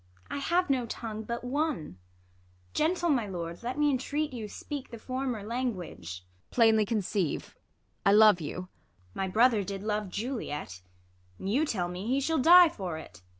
I have no tongue but one. Gentle, my lord, THE LAW AGAINST LOVERS. 149 Let me entreat you speak the former language. Ang. Plainly conceive, I love you. IsA. My brother did love Juliet ; And you tell me he shall die for it.